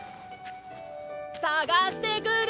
さがしてくる！